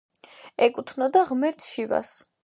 ეკუთვნოდა ღმერთ შივას.